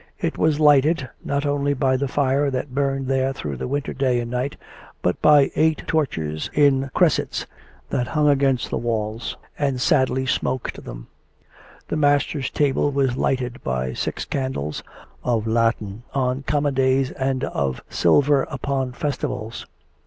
It was lighted, not only by the fire that burned there through the winter day and night, but by eight torches in cressets that hung against the 18 COME RACK! COME ROPE! walls and sadly smoked them; and the master's table was lighted by six candles, of latten on common days and of sil ver upon festivals.